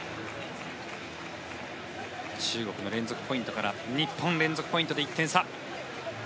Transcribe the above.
中国の連続ポイントから日本連続ポイントで１点差。